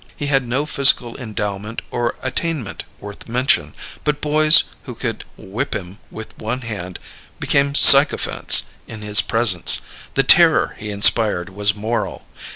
He had no physical endowment or attainment worth mention; but boys who could "whip him with one hand" became sycophants in his presence; the terror he inspired was moral.